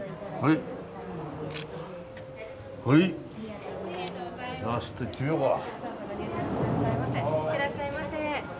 いってらっしゃいませ。